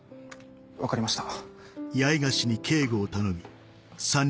分かりました。